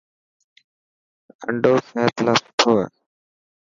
آنڊو سحت لاءِ سٺو هي.